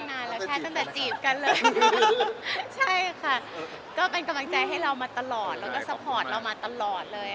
ตั้งแต่จีบกันเลย